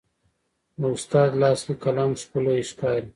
د استاد لاس کې قلم ښکلی ښکاري.